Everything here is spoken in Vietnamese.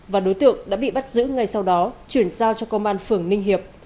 và đối tượng đã bị bắt giữ ngay sau đó chuyển giao cho công an phường ninh hiệp